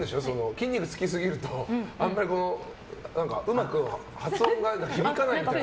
筋肉つきすぎるとうまく発音が響かないみたいな。